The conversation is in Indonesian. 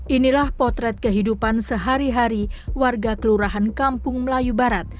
inilah potret kehidupan sehari hari warga kelurahan kampung melayu barat